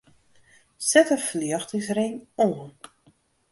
Set de ferljochtingsring oan.